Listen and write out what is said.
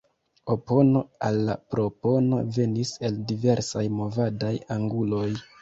Opono al la propono venis el diversaj movadaj anguloj.